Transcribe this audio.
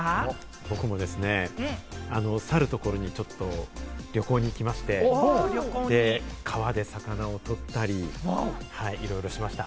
僕も、さるところに旅行に行きまして、川で魚を捕ったり、いろいろしました。